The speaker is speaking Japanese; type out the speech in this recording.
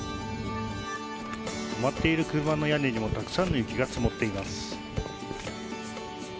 止まっている車の屋根にもたくさんの雪が積もっています。